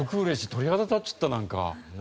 鳥肌立っちゃったなんか。